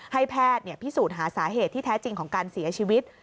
ให้แพทย์พิสูจน์หาสาเหตุที่แท้จริงของการเสียชีวิต